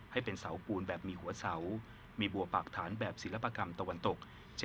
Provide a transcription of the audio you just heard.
ให้เป็นเสาปูนแบบมีหัวเสามีบัวปากฐานแบบศิลปกรรมตะวันตก